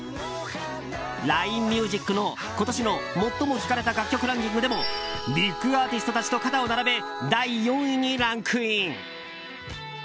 ＬＩＮＥＭＵＳＩＣの今年の最も聴かれた楽曲ランキングでもビッグアーティストたちと肩を並べ、第４位にランクイン。